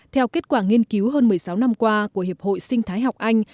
theo kết quả nghiên cứu hơn một mươi sáu năm qua của hiệp hội sinh thái học anh